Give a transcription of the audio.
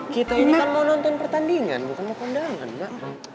kita ini kan mau nonton pertandingan bukan mau kondangan mbak